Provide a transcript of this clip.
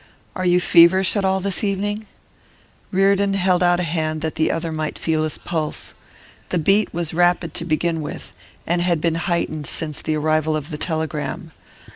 'Are you feverish at all this evening?' Reardon held out a hand that the other might feel his pulse. The beat was rapid to begin with, and had been heightened since the arrival of the telegram.